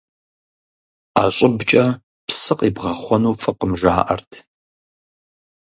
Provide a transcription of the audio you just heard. Ӏэ щӀыбкӀэ псы къибгъэхъуэну фӀыкъым, жаӀэрт.